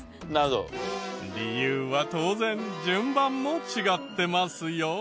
理由は当然順番も違ってますよ。